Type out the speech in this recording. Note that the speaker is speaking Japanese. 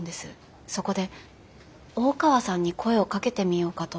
そこで大川さんに声をかけてみようかと。